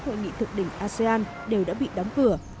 hội nghị thượng đỉnh asean đều đã bị đóng cửa